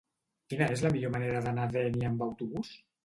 Quina és la millor manera d'anar a Dénia amb autobús?